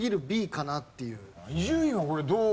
伊集院はこれどう？